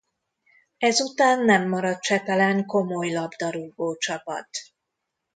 Ezután nem maradt Csepelen komoly labdarúgócsapat.